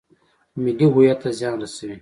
ملي هویت ته زیان رسوي.